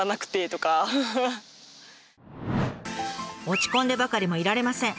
落ち込んでばかりもいられません。